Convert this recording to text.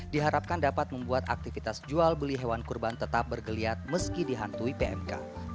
diharapkan dapat membuat aktivitas jual beli hewan kurban tetap bergeliat meski dihantui pmk